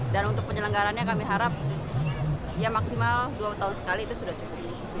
dan untuk penyelenggarannya kami harap ya maksimal dua tahun sekali itu sudah cukup